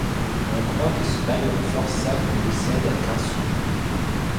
On croit que ce malheureux forçat ne possède qu'un sou.